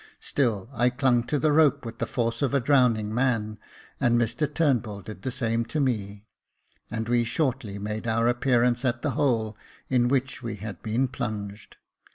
Still I clung to the rope with the force of a drowning man, and Mr Turnbull did the same to me, and we shortly made our appearance at the hole in which we had been plunged.